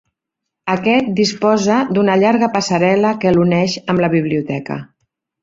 Aquest disposa d'una llarga passarel·la que l'uneix amb la biblioteca.